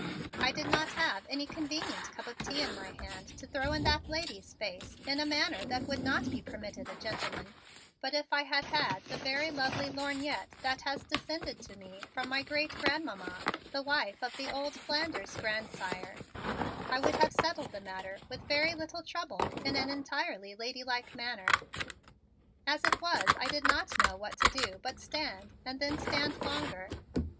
I did not have any convenient cup of tea in my hand to throw in that lady's face in a manner that would not be permitted a gentleman, but if I had had the very lovely lorgnette that has descended to me from my Great Grandmamma, the wife of the old Flanders grandsire, I would have settled the matter with very little trouble in an entirely ladylike manner. As it was, I did not know what to do but stand and then stand longer.